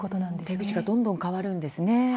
手口がどんどん変わるんですね。